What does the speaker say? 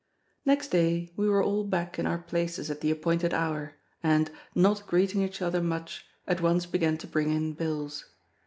Next day we were all back in our places at the appointed hour, and, not greeting each other much, at once began to bring in bills.